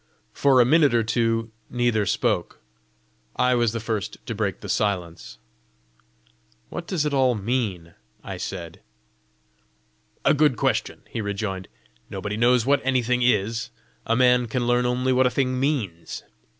For a minute or two neither spoke. I was the first to break the silence. "What does it all mean?" I said. "A good question!" he rejoined: "nobody knows what anything is; a man can learn only what a thing means!